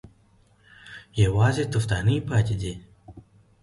_يوازې تفدانۍ پاتې دي.